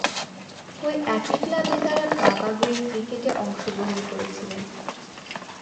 ঐ একই ক্লাবে তার বাবা গ্রেড ক্রিকেটে অংশগ্রহণ করেছিলেন।